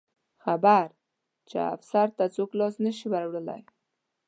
خبر چې افسر ته څوک لاس نه شي وروړلی.